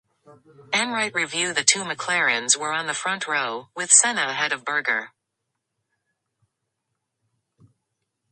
The two McLarens were on the front row, with Senna ahead of Berger.